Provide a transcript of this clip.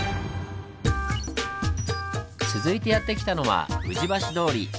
続いてやって来たのは宇治橋通り。